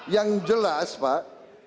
yang jelas pak